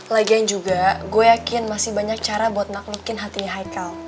lagian juga gue yakin masih banyak cara buat maklukin hati haikal